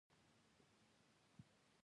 دا ډول پېښې په افریقا کې هم تکرار شوې.